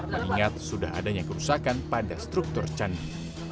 mengingat sudah adanya kerusakan pada struktur candi